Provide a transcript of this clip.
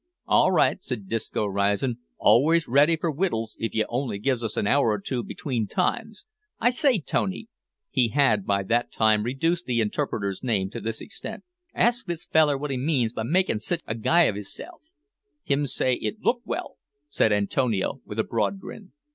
"All right," said Disco, rising; "always ready for wittles if you only gives us an hour or two between times. I say, Tony," (he had by that time reduced the interpreter's name to this extent), "ask this feller what he means by makin' sitch a guy of hisself." "Hims say it look well," said Antonio, with a broad grin.